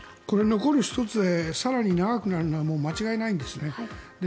残り１つで更に長くなるのは間違いないんですね。